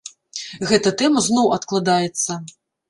Гэта тэма зноў адкладаецца.